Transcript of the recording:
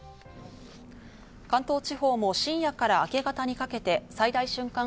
関東地方も深夜から明け方にかけて最大瞬間